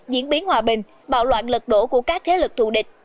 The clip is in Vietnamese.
diễn biến hòa bình bạo loạn lật đổ của các thế lực thù địch